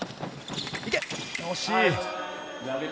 惜しい。